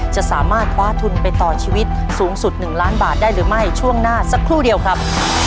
จะสามารถคว้าทุนไปต่อชีวิตสูงสุด๑ล้านบาทได้หรือไม่ช่วงหน้าสักครู่เดียวครับ